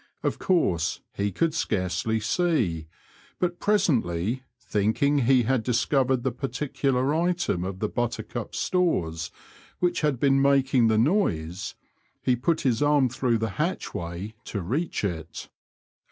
Of course he could scarcely see, but presently, thinking he bad discovered the particular item of the Buttercup's stores which had been making the noise, he put his arm through the hatchway to reach it.